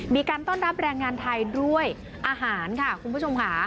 มีการต้อนรับแรงงานไทยด้วยอาหารค่ะคุณผู้ชมค่ะ